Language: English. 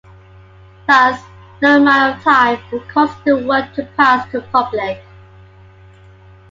Thus, no amount of time would cause the work to pass to the public.